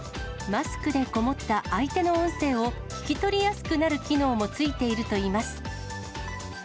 マスクでこもった相手の音声を、聞き取りやすくなる機能も付いているといいます。